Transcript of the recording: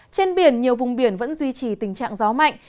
trên biển nhiều vùng biển vẫn duy trì tình trạng gió mạnh